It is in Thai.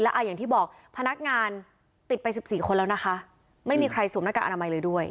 อย่างที่บอกพนักงานติดไปสิบสี่คนแล้วนะคะไม่มีใครสวมหน้ากากอนามัยเลยด้วย